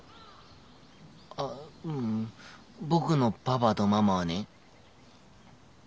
あううん僕のパパとママはね